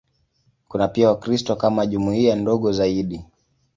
Kuna pia Wakristo kama jumuiya ndogo zaidi.